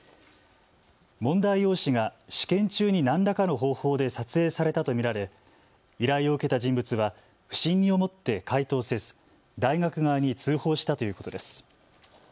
問題用紙が試験中に何らかの方法で撮影されたと見られ依頼を受けた人物は不審に思って解答せず大学側に通報したということです。